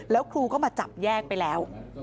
แล้วครูก็มาจับแยกไปแล้ว